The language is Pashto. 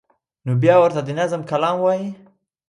نو بیا ورته د نظم کلام وایی